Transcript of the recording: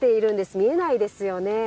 見えないですよね。